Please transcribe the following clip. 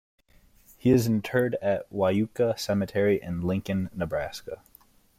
He is interred at Wyuka Cemetery in Lincoln, Nebraska.